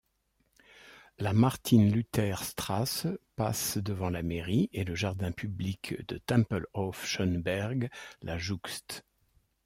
La Martin-Luther-Straße passe devant la mairie, et le jardin public de Tempelhof-Schöneberg la jouxte.